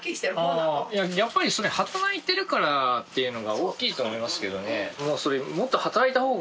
働いてるっていうのが大きいと思いますけどね。